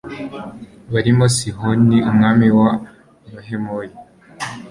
barimo Sihoni umwami w’Abahemori